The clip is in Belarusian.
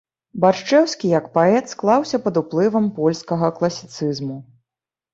Баршчэўскі як паэт склаўся пад уплывам польскага класіцызму.